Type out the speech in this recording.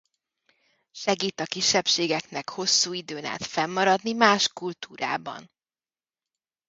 Segít a kisebbségeknek hosszú időn át fennmaradni más kultúrában.